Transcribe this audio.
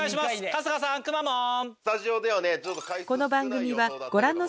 春日さんくまモン。